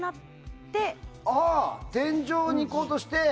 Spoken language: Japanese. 天井に行こうとして。